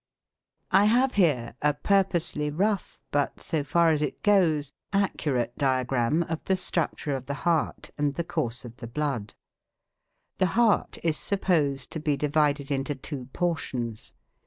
I have here (Fig. 1) a purposely rough, but, so far as it goes, accurate, diagram of the structure of the heart and the course of the blood. The heart is supposed to be divided into two portions.